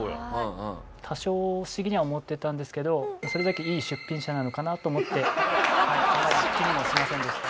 多少不思議には思ってたんですけどそれだけいい出品者なのかなと思ってあまり気にもしませんでした。